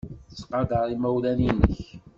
Ttqadar imawlan-nnek.